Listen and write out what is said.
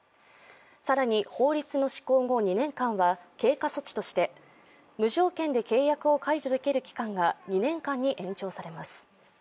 更に法律の施行後、２年間は経過措置として無条件で契約を解除できる期間が２年間に延長されます。